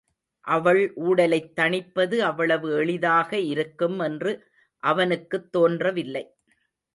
அவள் ஊடலைத் தணிப்பது அவ்வளவு எளிதாக இருக்கும் என்று அவனுக்குத் தோன்றவில்லை.